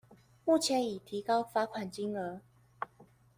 目前已提高罰款金額